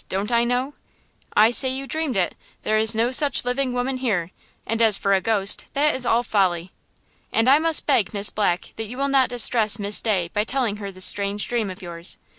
Don't I know?" "I say you dreamed it! There is no such living woman here; and as for a ghost, that is all folly. And I must beg, Miss Black, that you will not distress Miss Day by telling her this strange dream of yours.